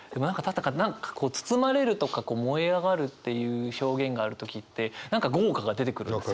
何かこう「包まれる」とか「燃え上がる」っていう表現がある時って何か「業火」が出てくるんですよね。